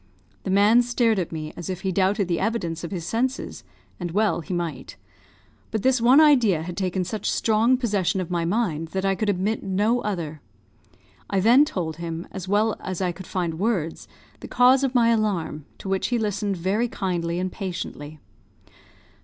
The man stared at me, as if he doubted the evidence of his senses, and well he might; but this one idea had taken such strong possession of my mind that I could admit no other. I then told him, as well as I could find words, the cause of my alarm, to which he listened very kindly and patiently.